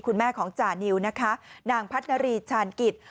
คุณแม่ของจานิวนะคะนางพัฒนารีชาญกิจ